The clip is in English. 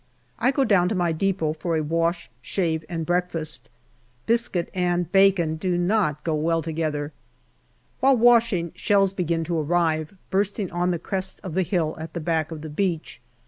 I go down to my depot for a wash, shave, and breakfast. Biscuit and bacon do not go well together. While washing, shells begin to arrive, bursting on the crest of the hill at the back of the beach.